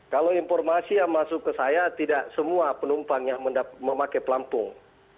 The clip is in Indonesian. kalau informasi yang masuk ke saya tidak semua penumpang yang memakai pelampung